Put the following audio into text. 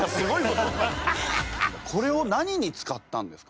これを何に使ったんですか？